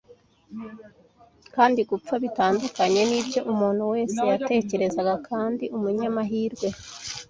Kandi gupfa bitandukanye nibyo umuntu wese yatekerezaga, kandi umunyamahirwe.